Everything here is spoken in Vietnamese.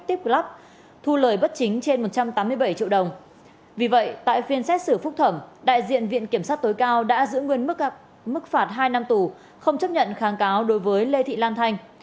vì vậy tại phiên xét xử phúc thẩm đại diện viện kiểm sát tối cao đã giữ nguyên mức phạt hai năm tù không chấp nhận kháng cáo đối với lê thị lan thanh